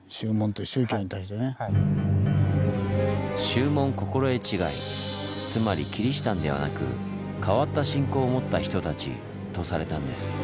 「宗門心得違」つまりキリシタンではなく「変わった信仰を持った人たち」とされたんです。